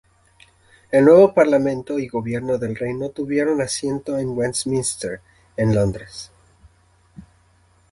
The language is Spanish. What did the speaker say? El nuevo parlamento y gobierno del reino tuvieron asiento en Westminster, en Londres.